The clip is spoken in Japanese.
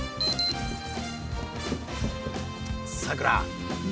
さくら